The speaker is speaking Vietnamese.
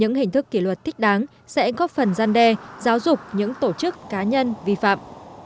những hình thức kỷ luật thích đáng sẽ góp phần gian đe giáo dục những tổ chức cá nhân vi phạm